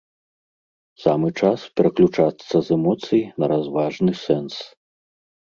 Самы час пераключацца з эмоцый на разважны сэнс.